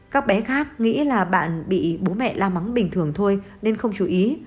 các bé khác nghĩ là bạn bị bố mẹ la mắng bình thường thôi nên không chú ý